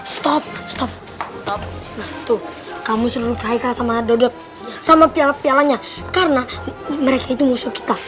stop stop kamu seru kaya sama dodot sama piala pialanya karena mereka itu musuh kita